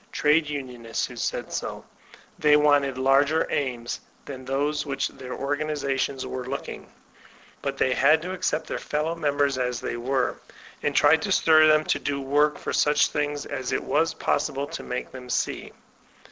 Trade Unionists who said so. They wanted latger aims than those to which their organizations were look DntBCT Action 233 ing ; but they had to accq>t their fellow members as they were, and try to stir them to work for such things as it was possible to make them see.